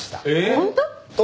本当？